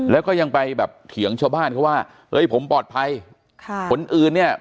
แล้วก็ยังไปแบบเถียงชาวบ้านเขาว่าเฮ้ยผมปลอดภัยค่ะคนอื่นเนี่ย